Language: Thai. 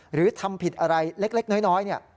หรือทำผิดอะไรเล็กน้อย